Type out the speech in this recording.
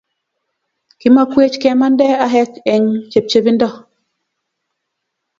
kimakwech kemanda ahek eng' chepchepindo